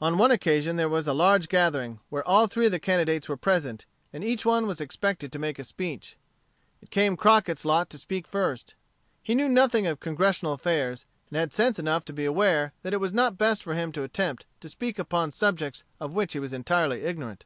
On one occasion there was a large gathering, where all three of the candidates were present, and each one was expected to make a speech. It came Crockett's lot to speak first. He knew nothing of Congressional affairs, and had sense enough to be aware that it was not best for him to attempt to speak upon subjects of which he was entirely ignorant.